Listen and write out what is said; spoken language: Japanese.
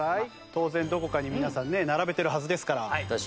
当然どこかに皆さんね並べてるはずですから。